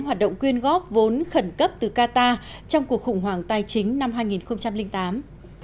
hoạt động quyên góp vốn khẩn cấp từ qatar trong cuộc khủng hoảng tài chính năm hai nghìn tám